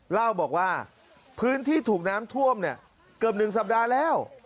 เล่าบอกว่าพื้นที่ถูกน้ำท่วมเนี่ยเกือบ๑สัปดาห์แล้ว